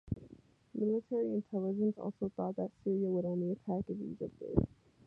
Military intelligence also thought that Syria would only attack if Egypt did.